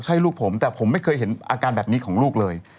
ใช่ลูกผมแต่ผมไม่เคยเห็นอาการแบบนี้ของลูกเลย